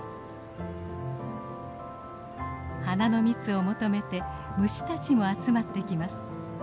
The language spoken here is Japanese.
花の蜜を求めて虫たちも集まってきます。